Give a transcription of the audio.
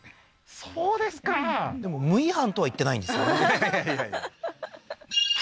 そうですかでも無違反とは言ってないですからねははは